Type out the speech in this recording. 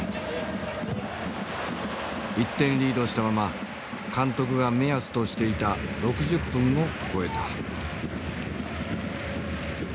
１点リードしたまま監督が目安としていた６０分を超えた。